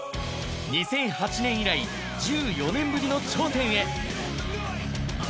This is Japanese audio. ２００８年以来、１４年ぶりの頂点へ。